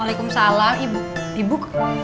waalaikumsalam ibu ibu